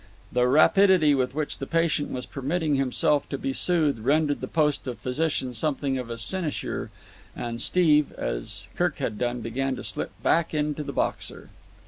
The rapidity with which the patient was permitting himself to be soothed rendered the post of physician something of a sinecure; and Steve, as Kirk had done, began to slip back into the boxer.